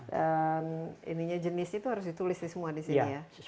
dan jenis itu harus ditulis semua di sini ya